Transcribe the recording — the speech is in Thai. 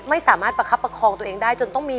ไม่สามารถประคับประคองตัวเองได้จนต้องมี